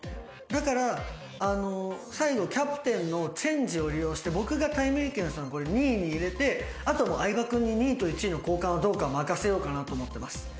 だから最後キャプテンのチェンジを利用して僕がたいめいけんさん２位に入れてあと相葉君に２位と１位の交換はどうか任せようかなと思ってます。